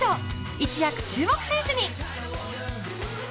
一躍注目選手に！